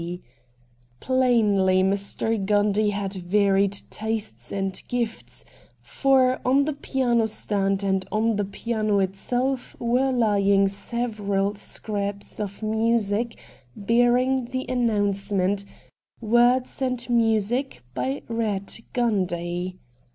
G. Plainly Mr. Gundy had varied tastes and gifts, for on the piano stand and on the piano itself were lying several scraps of music bearing the announcement, 220 RED DIAMONDS ' Words and music by Eatt Gundy.'